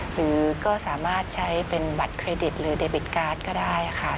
หรือก็สามารถใช้เป็นบัตรเครดิตหรือเดบิตการ์ดก็ได้ค่ะ